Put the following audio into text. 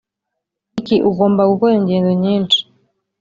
niki? ugomba gukora ingendo nyinshi.